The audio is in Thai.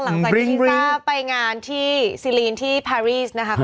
หลังจากที่ลิซ่าไปงานที่ซีรีนที่พารีสนะคะ